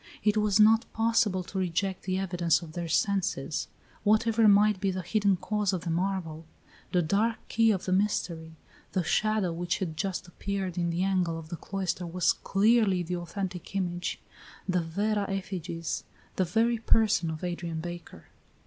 It was not possible to reject the evidence of their senses. Whatever might be the hidden cause of the marvel, the dark key of the mystery, the shadow which had just appeared in the angle of the cloister was clearly the authentic image, the vera effigies, the very person of Adrian Baker.